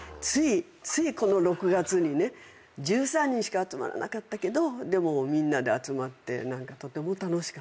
ついこの６月にね１３人しか集まらなかったけどでもみんなで集まってとても楽しかった。